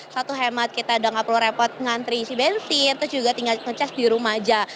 satu hemat kita udah gak perlu repot ngantri isi bensin terus juga tinggal ngecas di rumah aja